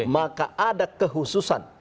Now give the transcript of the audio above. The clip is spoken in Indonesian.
maka ada kehususan